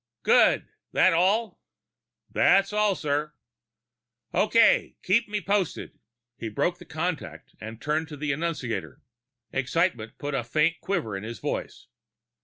'" "Good. That all?" "That's all, sir." "Okay. Keep me posted." He broke contact and turned to the annunciator. Excitement put a faint quiver in his voice.